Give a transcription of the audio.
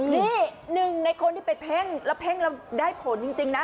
นี่หนึ่งในคนที่ไปเพ่งแล้วเพ่งแล้วได้ผลจริงนะ